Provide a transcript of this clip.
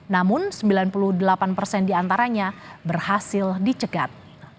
namun sembilan puluh delapan persen diantaranya berhasil dicegat